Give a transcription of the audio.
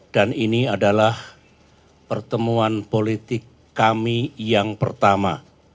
dan ini adalah pertemuan politik kami yang pertama